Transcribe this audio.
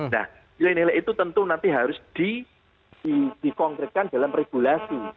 nah nilai nilai itu tentu nanti harus dikonkretkan dalam regulasi